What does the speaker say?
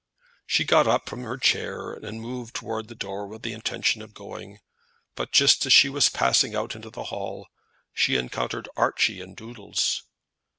She had got up from her chair, and had moved towards the door with the intention of going; but just as she was passing out into the hall, she encountered Archie and Doodles.